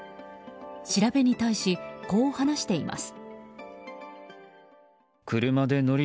調べに対し、こう話しています。